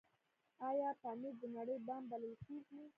آیا پامیر د نړۍ بام بلل کیږي؟